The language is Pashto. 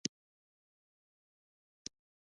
ما ورته وویل: زه پر تا پوره باور لرم.